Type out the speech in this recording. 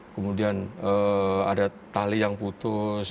kemudian ada tali yang putus